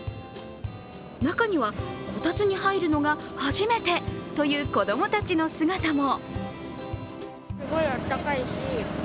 中には、こたつに入るのが初めてという子供たちの姿も。